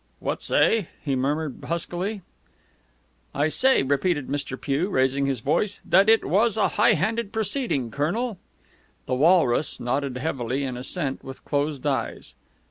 "What say?" he murmured huskily. "I said," repeated Mr. Pugh, raising his voice, "that it was a high handed proceeding, Colonel." The walrus nodded heavily, in assent, with closed eyes.